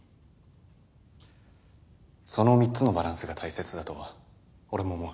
その３つのバランスが大切だと俺も思う。